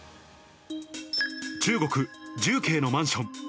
中国・重慶のマンション。